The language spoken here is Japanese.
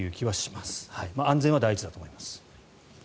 まあ、安全は第一だと思います。